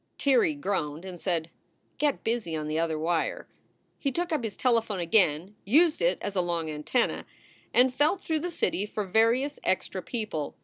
Tirrey groaned and said, "Get busy on the other wire." He took up his telephone again, used it as a long antenna, and felt through the city for various extra people.